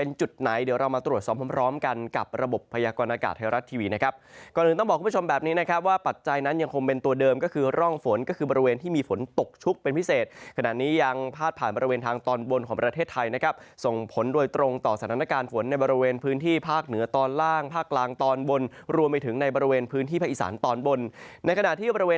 นี้นะครับว่าปัจจัยนั้นยังคงเป็นตัวเดิมก็คือร่องฝนก็คือบริเวณที่มีฝนตกชุกเป็นพิเศษขณะนี้ยังพาดผ่านบริเวณทางตอนบนของประเทศไทยนะครับส่งผลโดยตรงต่อสถานการณ์ฝนในบริเวณพื้นที่ภาคเหนือตอนล่างภาคกลางตอนบนรวมไปถึงในบริเวณพื้นที่พระอีสานตอนบนในขณะที่บริเว